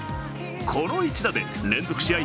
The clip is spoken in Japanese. この一打で連続試合